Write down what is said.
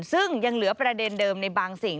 ซึ่งยังเหลือประเด็นเดิมในบางสิ่ง